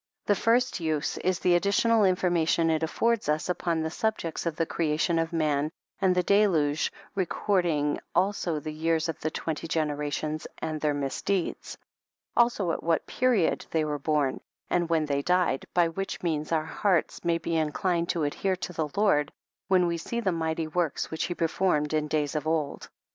The first use is the additional information it affords us upon the sub jects of the creation of man and the deluge, recording also the years of the twenty generations and their misdeeds ; also at what period they were * la the book of the Asmoneans mentioned above. B xvill HEBREW PREFACE. born, and when they died, by which means, our hearts may be inclined to adhere to the Lord, when we see the mighty works which he per formed in days of old.